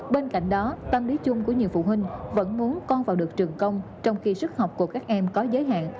bên cạnh đó tâm lý chung của nhiều phụ huynh vẫn muốn con vào được trường công trong khi sức học của các em có giới hạn